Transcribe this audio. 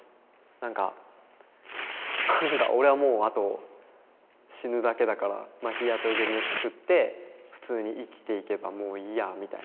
なんかまあなんか「俺はもうあと死ぬだけだから日雇いで飯食って普通に生きていけばもういいや」みたいな。